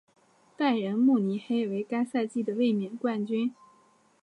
拜仁慕尼黑为该赛季的卫冕冠军。